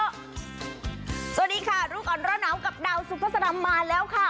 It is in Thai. สวัสดีค่ะลูกอรรร่อนาวกับดาวซุประสนามมาแล้วค่ะ